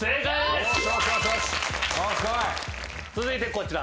続いてこちら。